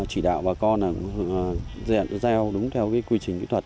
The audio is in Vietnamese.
chỉ đạo bà con là gieo đúng theo quy trình kỹ thuật